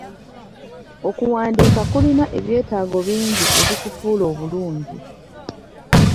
Okuwandiika kulina ebyetaago bingi ebikufuula okulungi.